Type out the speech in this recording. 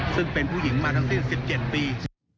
ซึ่งเป็นผู้หญิงมาทั้งสิ้น๑๗ปี